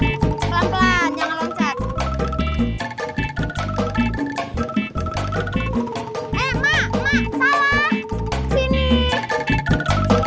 pelan pelan jangan loncat